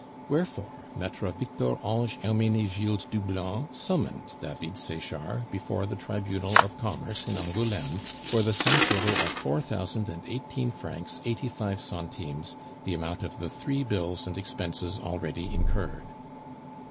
Wherefore Maitre Victor Ange Hermenegilde Doublon summoned David Sechard before the Tribunal of Commerce in Angouleme for the sum total of four thousand and eighteen francs eighty five centimes, the amount of the three bills and expenses already incurred.